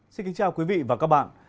xin kính chào quý vị và các bạn